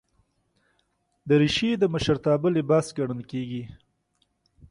دریشي د مشرتابه لباس ګڼل کېږي.